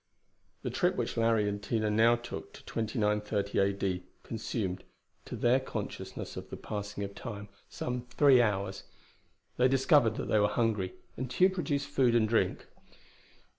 The trip which Larry and Tina now took to 2930 A.D. consumed, to their consciousness of the passing of Time, some three hours. They discovered that they were hungry, and Tugh produced food and drink.